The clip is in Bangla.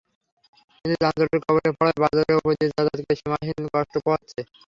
কিন্তু যানজটের কবলে পড়ায় বাজারের ওপর দিয়ে যাতায়াতকারীরা সীমাহীন কষ্ট পোহাচ্ছে।